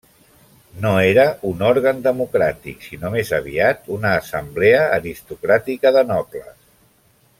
No era un òrgan democràtic, sinó més aviat una assemblea aristocràtica de nobles.